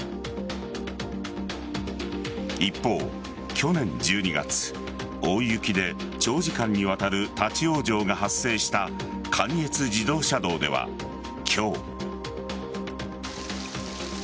一方、去年１２月大雪で長時間にわたる立ち往生が発生した関越自動車道では今日。